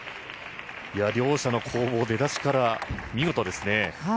両者の攻防出だしから見事ですね。